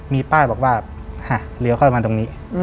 มีป้ายบอกว่าเลี้ยวเข้ามาตรงนี้